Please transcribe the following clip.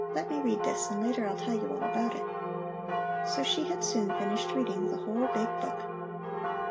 Let me read this and later I'll tell you all about it." So she had soon finished reading the whole big book.